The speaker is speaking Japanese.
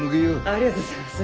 ありがとうございます！